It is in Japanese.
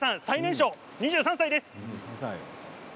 最年少の２３歳です。